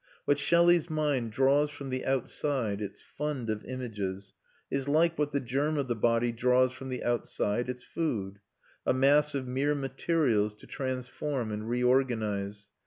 What Shelley's mind draws from the outside, its fund of images, is like what the germ of the body draws from the outside, its food a mass of mere materials to transform and reorganise.